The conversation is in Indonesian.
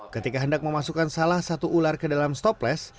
ketika hendak memasukkan salah satu ular ke dalam stopless